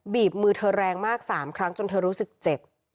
บีบมือเธอแรงมาก๓ครั้งจนเธอรู้สึกเจ็บ